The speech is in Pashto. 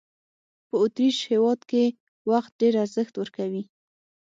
په اوترېش هېواد کې وخت ډېر ارزښت ورکوي.